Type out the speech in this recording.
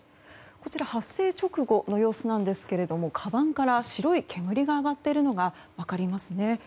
こちら発生直後の様子なんですけれどもかばんから白い煙が上がっているのが分かりますね。